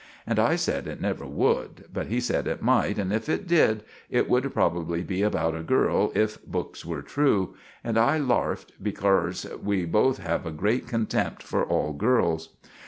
And I sed it never would; but he sed it might, and if it did, it would probabbly be about a girl if books were true. And I larfed, becorse we both have a grate contemp for all girls.